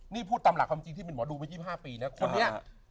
นี่พูดตามหลักความจริงที่เป็นหมอดูไป๒๕ปีนะคนนี้